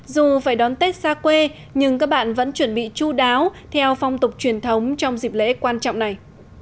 dù phải đón tết xa quê nhưng các bạn vẫn chuẩn bị chú đáo theo phong tục truyền thống trong dịp lễ quan trọng này